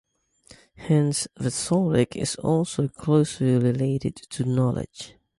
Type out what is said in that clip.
Hence, rhetoric is also closely related to knowledge.